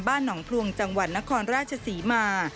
หนองพลวงจังหวัดนครราชศรีมา